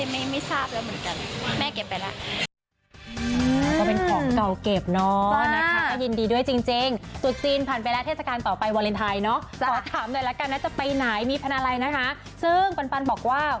มาเป็นเครื่องเพชรเซตใหญ่เลยจ้า